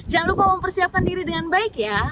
jangan lupa mempersiapkan diri dengan baik ya